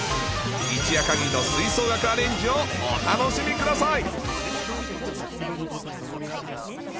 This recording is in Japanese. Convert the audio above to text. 一夜限りの吹奏楽アレンジをお楽しみください。